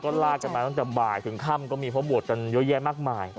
ก็ลากกันมาตั้งแต่บ่ายถึงค่ำก็มีเพราะบวชกันเยอะแยะมากมาย